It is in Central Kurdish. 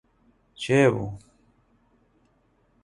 کێ بوو؟